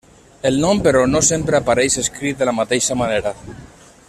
El nom però no sempre apareix escrit de la mateixa manera.